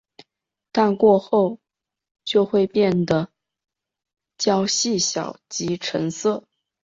但过后就会变得较细小及沉色。